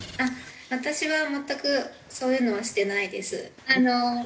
私は全くそういうのはしてないです。